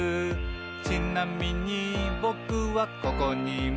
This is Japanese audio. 「ちなみにぼくはここにいます」